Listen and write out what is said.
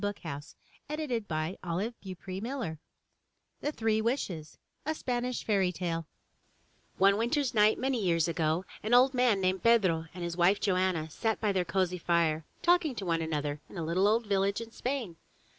— Thomas Noel 153 MY BOOK HOUSE THE THREE WISHES A Spanish Fairy Tale One winter's night many years ago, an old man, named Pedro, and his wife, Joanna, sat by their cozy fire, talking to one another, in a little old village in Spain.